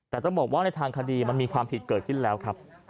แต่ต้องบอกว่าในทางคดีมันมีความผิดเกิดขึ้นแล้วครับ